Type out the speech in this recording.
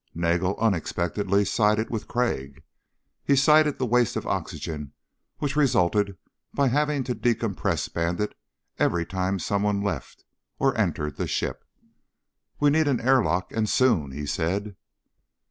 Nagel unexpectedly sided with Crag. He cited the waste of oxygen which resulted by having to decompress Bandit every time someone left or entered the ship. "We need an airlock, and soon," he said.